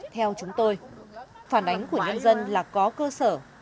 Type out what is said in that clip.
theo chúng tôi phản ánh của nhân dân là có cơ sở